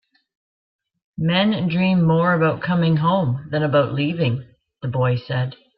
"Men dream more about coming home than about leaving," the boy said.